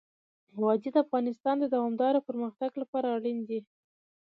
وادي د افغانستان د دوامداره پرمختګ لپاره اړین دي.